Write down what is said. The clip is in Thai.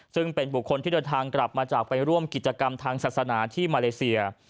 ซึ่งเป็นบุคคลที่เดินทางกลับมาจากไปร่วมกิจกรรมทางศาสนาที่มาเลเซีย